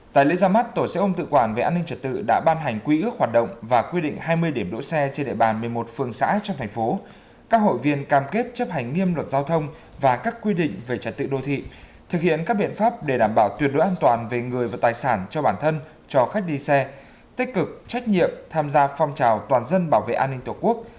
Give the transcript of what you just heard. tại lễ ra mắt tổ xe ôm tự quản về an ninh trật tự đã ban hành quý ước hoạt động và quy định hai mươi điểm đỗ xe trên địa bàn một mươi một phương xã trong thành phố các hội viên cam kết chấp hành nghiêm luật giao thông và các quy định về trật tự đô thị thực hiện các biện pháp để đảm bảo tuyệt đối an toàn về người và tài sản cho bản thân cho khách đi xe tích cực trách nhiệm tham gia phong trào toàn dân bảo vệ an ninh tổ quốc